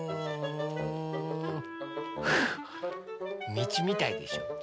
みちみたいでしょ？